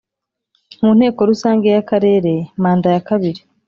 Mu nteko rusange y akarere manda yakabiri